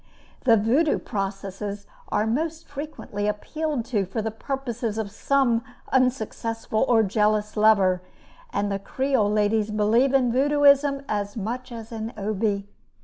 The Vaudoux processes are most frequently appealed to for the purposes of some unsuccessful or jealous lover; and the Creole ladies believe in Vaudouxism as much as in Obi.